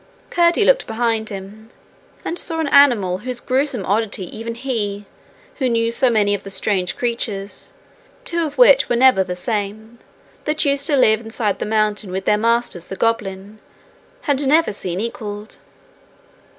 Curdie looked behind him, and saw an animal whose gruesome oddity even he, who knew so many of the strange creatures, two of which were never the same, that used to live inside the mountain with their masters the goblins, had never seen equalled.